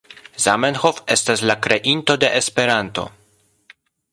Zamenhof estas la kreinto de Esperanto.